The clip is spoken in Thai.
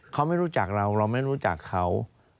เขาไม่รู้จักเราเราไม่รู้จักเขา